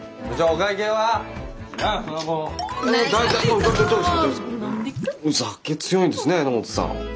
お酒強いんですね榎本さん。